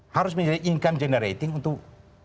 harus menjadi income generating untuk